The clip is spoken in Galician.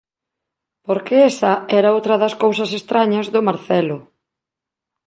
Porque esa era outra das cousas estrañas do Marcelo: